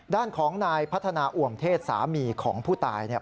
ด้านของนายพัฒนาอ่วมเทศสามีของผู้ตายเนี่ย